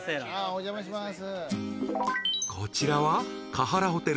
お邪魔します。